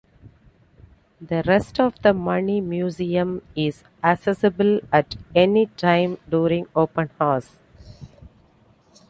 The rest of the Money Museum is accessible at any time during open hours.